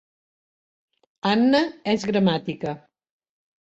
Anna és gramàtica